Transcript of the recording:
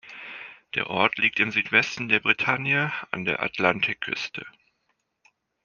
Der Ort liegt im Südwesten der Bretagne an der Atlantikküste.